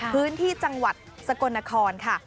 พื้นที่จังหวัดสกลนครค่ะ